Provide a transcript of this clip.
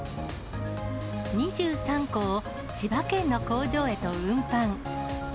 ２３個を、千葉県の工場へと運搬。